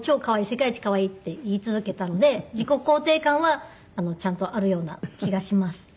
世界一可愛い」って言い続けたので自己肯定感はちゃんとあるような気がします。